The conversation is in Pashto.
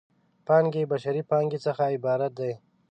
پانګې بشري پانګې څخه عبارت دی.